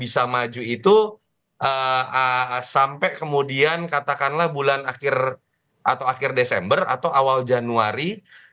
sampai kemudian katakanlah bulan akhir atau akhir desember atau awal januari dua ribu dua puluh lima